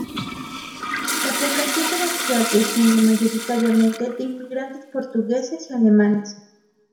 La población de la ciudad desciende mayoritariamente de inmigrantes portugueses y alemanes.